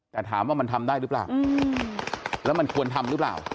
แต่ถามว่ามันทำได้หรือเปล่าแล้วมันควรทำหรือเปล่า